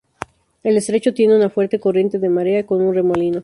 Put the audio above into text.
El estrecho tiene una fuerte corriente de marea, con un remolino.